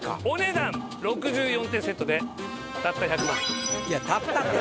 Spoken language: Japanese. お値段６４点セットでたった。